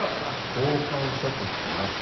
交換殺人な。